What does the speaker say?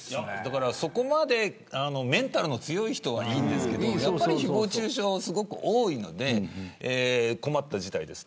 そこまでメンタルの強い人はいいんですけれどやっぱり誹謗中傷はすごく多いので困った事態です。